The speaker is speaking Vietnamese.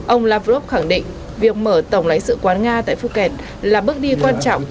ông lavrov khẳng định việc mở tổng lãnh sự quán nga tại phuket là bước đi quan trọng